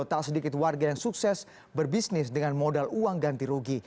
tak sedikit warga yang sukses berbisnis dengan modal uang ganti rugi